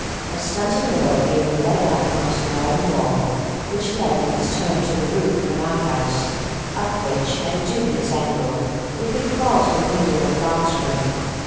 A stunted laurel gave a leg up on to the garden wall, which led in its turn to the roof of an out house, up which, at a dubious angle, we could crawl to the window of the box room.